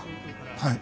はい。